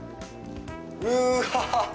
うわ！